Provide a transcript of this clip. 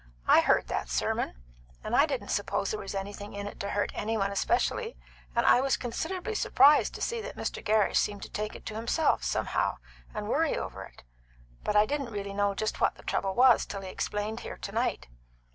I heard that sermon, and I didn't suppose there was anything in it to hurt any one especially; and I was consid'ably surprised to see that Mr. Gerrish seemed to take it to himself, somehow, and worry over it; but I didn't really know just what the trouble was till he explained here tonight.